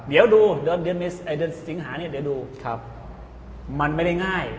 เดี๋ยวดูเดือนสิงหานี่มันไม่ได้ง่าย